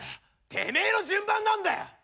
てめえの順番なんだよ！